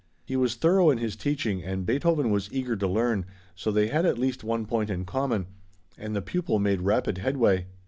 He was thorough in his teaching and Beethoven was eager to learn, so they had at least one point in common, and the pupil made rapid headway.